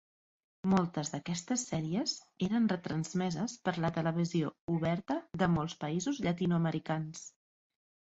Moltes d'aquestes sèries eren retransmeses per la televisió oberta de molts països llatinoamericans.